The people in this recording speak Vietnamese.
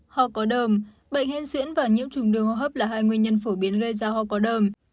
hò có đờm bệnh hên xuyễn và nhiễm trùng đường hô hấp là hai nguyên nhân phổ biến gây ra hò có đờm